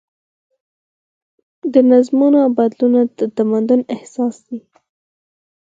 د نظمونو بدلون د تمدن اساس دی.